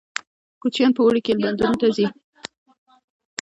کوچیان په اوړي کې ایلبندونو ته ځي